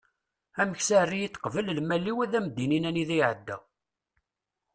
ameksa err-iyi-d qbel lmal-iw ad am-d-inin anida iεedda